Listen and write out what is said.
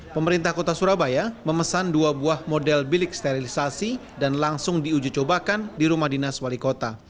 pemerintah kota surabaya memesan dua buah model bilik sterilisasi dan langsung diuji cobakan di rumah dinas wali kota